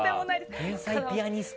天才ピアニスト！